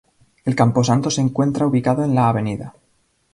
El camposanto se encuentra ubicado en la Av.